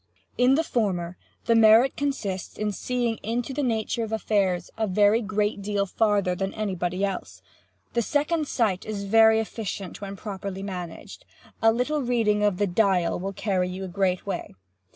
In the former the merit consists in seeing into the nature of affairs a very great deal farther than anybody else. This second sight is very efficient when properly managed. A little reading of the 'Dial' will carry you a great way.